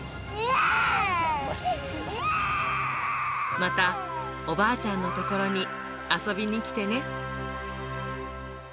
またおばあちゃんの所に遊びに来てね。